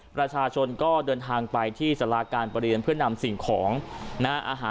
ประชาชนก็เดินทางไปที่สาราการประเรียนเพื่อนำสิ่งของนะฮะ